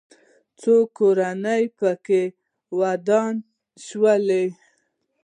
څو کورونه پکې ودان شوي ول.